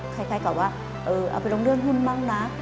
ใครก็เอาไปลงเรื่องหุ้นบ้างนะ